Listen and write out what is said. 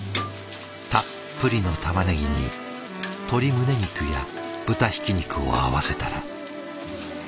たっぷりのたまねぎに鶏胸肉や豚ひき肉を合わせたら。